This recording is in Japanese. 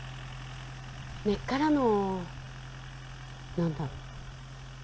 根っからの何だろ。